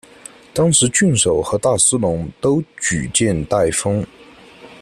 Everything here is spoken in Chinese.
当时郡守和大司农都举荐戴封。